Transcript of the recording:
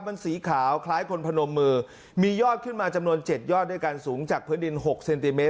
มันสีขาวคล้ายคนพนมมือมียอดขึ้นมาจำนวน๗ยอดด้วยกันสูงจากพื้นดิน๖เซนติเมต